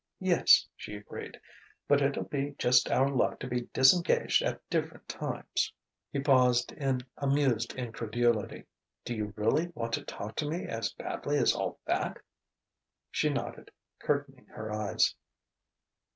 "Yes," she agreed: "but it'll be just our luck to be disengaged at different times." He paused in amused incredulity. "Do you really want to talk to me as badly as all that?" She nodded, curtaining her eyes.